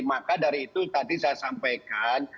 maka dari itu tadi saya sampaikan